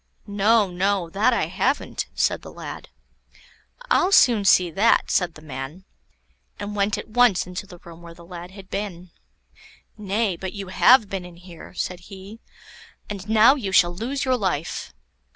"No, no; that I haven't," said the lad. "I'll soon see that," said the man, and went at once into the room where the lad had been. "Nay, but you have been in here," said he; "and now you shall lose your life."